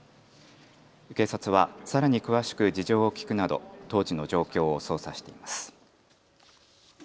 警察はさらに詳しく事情を聞くなど当時の状況を捜査しています。